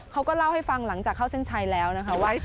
เขาก็เล่าให้ฟังหลังจากเข้าเส้นชัยแล้วนะคะว่า